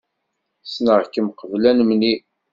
Ssneɣ-kem qbel ad nemlil.